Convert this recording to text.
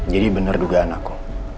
jadi bener dugaan aku